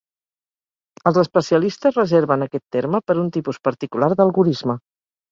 Els especialistes reserven aquest terme per un tipus particular d'algorisme.